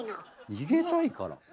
逃げたいから？